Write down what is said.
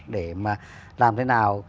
để mà làm thế nào